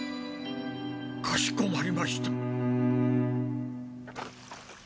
かしこまりました。